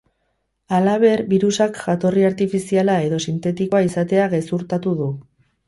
Halaber, birusak jatorri artifiziala edo sintetikoa izatea gezurtatu du.